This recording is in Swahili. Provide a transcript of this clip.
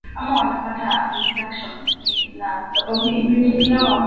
Udhibiti wa harakati za umma ulifanyika katika miji mingi